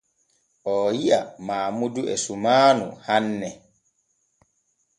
Oo yi’a Maamudu e sumaanu hanne.